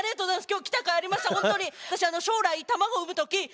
今日来たかいありました本当に。